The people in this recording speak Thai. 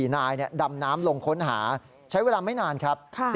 นายดำน้ำลงค้นหาใช้เวลาไม่นานครับ